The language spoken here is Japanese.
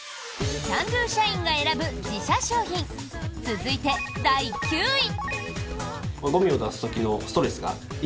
Ｃａｎ★Ｄｏ社員が選ぶ自社商品続いて、第９位。